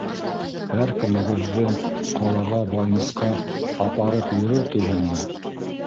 Һәр кемегеҙҙе ҡалаға балнисҡа апарып йөрөр тиһеңме?!